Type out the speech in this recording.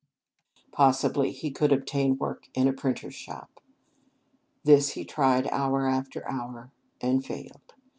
Possibly he could obtain work in a printer's shop. This he tried hour after hour, and failed.